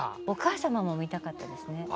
お母様も見たかったですね。